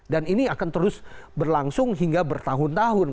dan ini akan terus berlangsung hingga bertahun tahun